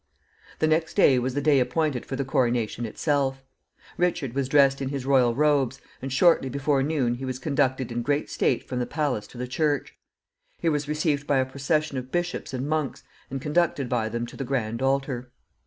The next day was the day appointed for the coronation itself. Richard was dressed in his royal robes, and shortly before noon he was conducted in great state from the palace to the church. He was received by a procession of bishops and monks, and conducted by them to the grand altar.